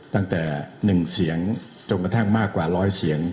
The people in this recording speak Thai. ตั้งแต่๑เสียงจนกระทั่งมากกว่า๑๐๐เสียง